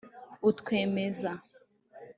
utwemeza